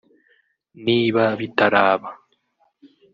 ’ Niba bitaraba